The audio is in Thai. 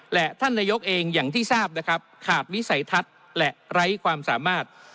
และท่านนายกเองอย่างที่ทราบนะครับขาดวิสัยทัศน์และไร้ความสามารถ